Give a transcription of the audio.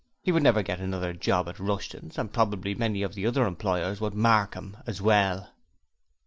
He would never get another job at Rushton's and probably many of the other employers would 'mark him' as well.